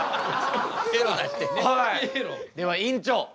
では院長